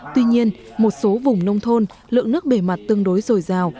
tuy nhiên một số vùng nông thôn lượng nước bề mặt tương đối dồi dào